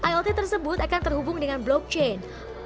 ilt tersebut akan terhubung dengan blockchain